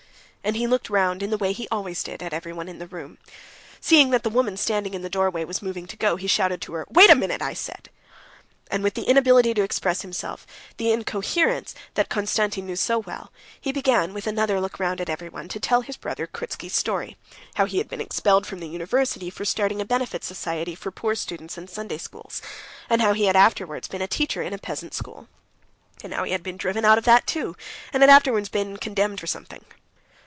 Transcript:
And he looked round in the way he always did at everyone in the room. Seeing that the woman standing in the doorway was moving to go, he shouted to her, "Wait a minute, I said." And with the inability to express himself, the incoherence that Konstantin knew so well, he began, with another look round at everyone, to tell his brother Kritsky's story: how he had been expelled from the university for starting a benefit society for the poor students and Sunday schools; and how he had afterwards been a teacher in a peasant school, and how he had been driven out of that too, and had afterwards been condemned for something.